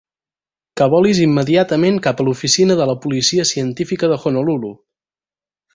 Que volis immediatament cap a l'oficina de la Policia Científica de Honolulu!